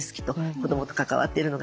子どもと関わっているのが好きだわ。